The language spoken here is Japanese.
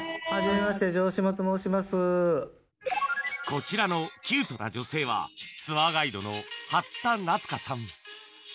こちらのキュートな女性はツアーガイドの八田夏加さん。